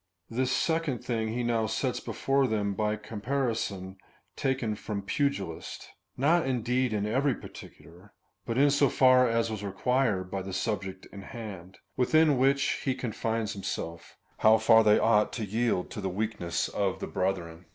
This second thing he now sets before them by a comparison taken from pugilists ; not indeed in every par ticular,2 but in so far as was required by the subject in hand, Avithin which he confines himself — how far they ought to yield to the weakness of the brethren.